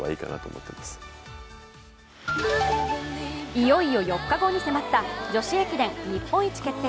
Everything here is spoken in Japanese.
いよいよ４日後に迫った女子駅伝日本一決定